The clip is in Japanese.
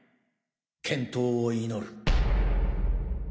健闘を祈る。